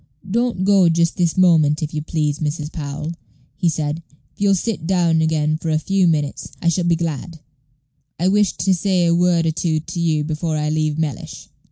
"Don't go just this moment, if you please, Mrs. Powell," he said. "If you'll sit down again for a few minutes, I shall be glad. I wished to say a word or two to you before I leave Mellish."